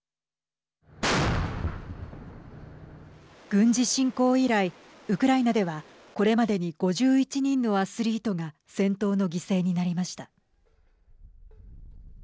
軍事侵攻以来ウクライナではこれまでに５１人のアスリートが戦闘の犠牲になりました。